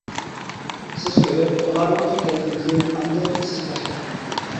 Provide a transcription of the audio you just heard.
سىز كۆرۈپ ئۇلارنىڭ پۈتكەندىن كىيىن ئاندىن سىز باشلاڭ.